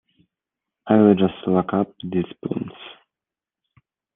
I will just lock up the spoons!